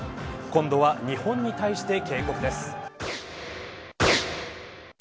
今度は日本に対して警告です。